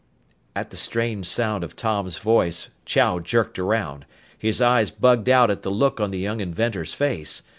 At the strange sound of Tom's voice, Chow jerked around. His eyes bugged out at the look on the young inventor's face.